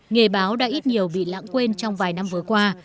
nghề báo đã ít nhiều bị lãng quên trong vài năm vừa qua